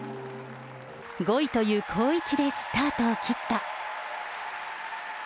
５位という好位置でスタートを切った。